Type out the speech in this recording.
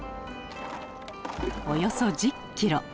およそ１０キロ。